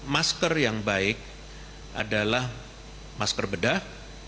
masker yang baik adalah masker bedah